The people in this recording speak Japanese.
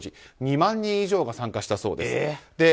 これには２万人以上が参加したそうです。